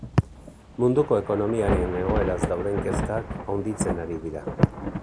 Munduko ekonomiaren egoeraz dauden kezkak handitzen ari dira.